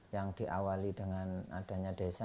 yang diawali dengan adanya desa